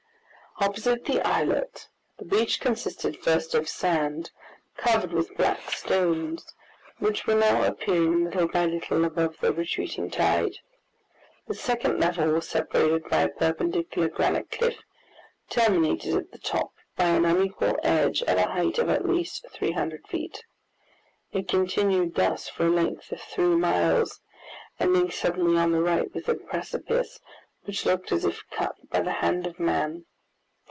Opposite the islet, the beach consisted first of sand, covered with black stones, which were now appearing little by little above the retreating tide. The second level was separated by a perpendicular granite cliff, terminated at the top by an unequal edge at a height of at least 300 feet. It continued thus for a length of three miles, ending suddenly on the right with a precipice which looked as if cut by the hand of man.